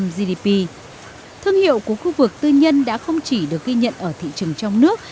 hai mươi tám gdp thương hiệu của khu vực tư nhân đã không chỉ được ghi nhận ở thị trường trong nước